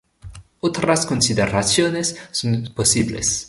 Otras consideraciones son posibles.